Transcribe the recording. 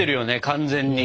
完全に。